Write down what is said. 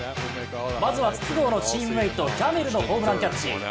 まずは筒香のチームメイトギャメルのホームランキャッチ。